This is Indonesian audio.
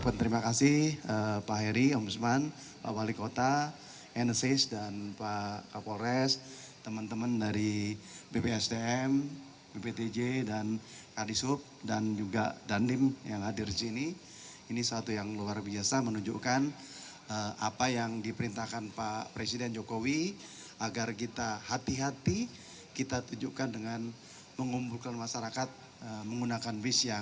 menteri perhubungan ikut menegaskan pemudik harus menjaga keamanan diri di dalam perjalanan